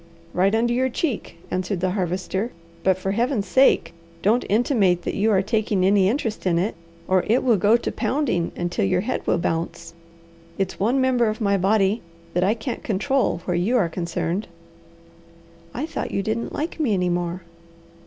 "Right under your cheek," answered the Harvester. "But for Heaven's sake, don't intimate that you are taking any interest in it, or it will go to pounding until your head will bounce. It's one member of my body that I can't control where you are concerned." "I thought you didn't like me any more."